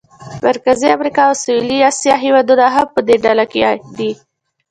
مرکزي امریکا او سویلي اسیا هېوادونه هم په دې ډله کې دي.